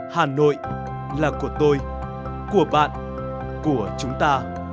hà nội là của tôi của bạn của chúng ta